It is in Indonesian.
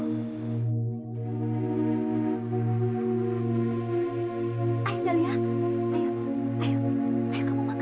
sekarang kamu makan dulu ya biar kamu cepat sembuh